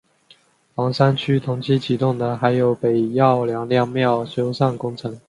房山区同期启动的还有北窖娘娘庙修缮工程。